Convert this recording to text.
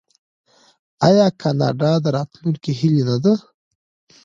آیا کاناډا د راتلونکي هیله نه ده؟